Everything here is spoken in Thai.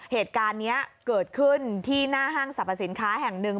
เหตุการณ์นี้เกิดขึ้นที่หน้าห้างสรรพสินค้าแห่งหนึ่ง